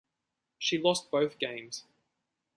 She lost both games.